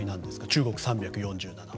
中国３４７で。